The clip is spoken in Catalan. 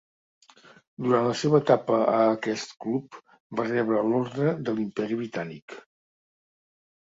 Durant la seva etapa a aquest club va rebre l'Orde de l'Imperi Britànic.